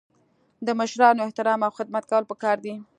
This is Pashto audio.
د مشرانو احترام او خدمت کول پکار دي.